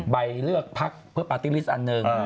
ใบเลือกพักเพื่อปาร์ตี้ลิสต์อันหนึ่ง